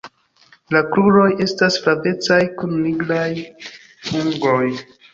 La kruroj estas flavecaj kun nigraj ungoj.